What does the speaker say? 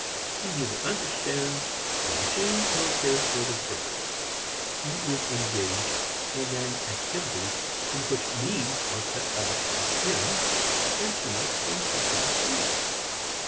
He neither understands the machines nor cares for their purpose. He is engaged in an activity in which means are cut off from ends, instruments from what they achieve.